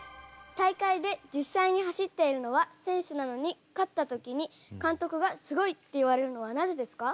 大会で実際に走っているのは選手なのに勝った時に監督がすごいって言われるのはなぜですか？